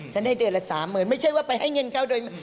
ให้เดือนละ๓๐๐๐ไม่ใช่ว่าไปให้เงินเขาโดย